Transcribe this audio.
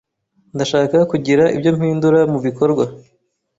Ndashaka kugira ibyo mpindura mubikorwa.